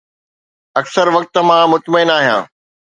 اڪثر وقت مان مطمئن آهيان